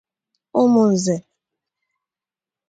Ụmụnze